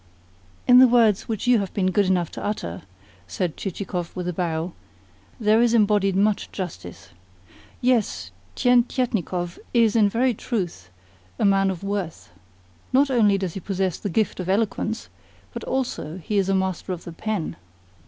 "In the words which you have been good enough to utter," said Chichikov with a bow, "there is embodied much justice. Yes, Tientietnikov is in very truth a man of worth. Not only does he possess the gift of eloquence, but also he is a master of the pen."